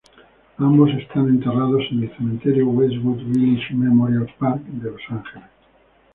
Ambos están enterrados en el Cementerio Westwood Village Memorial Park de Los Ángeles.